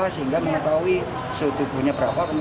sehingga mengetahui suhu tubuh yang ada di ruang pelayanan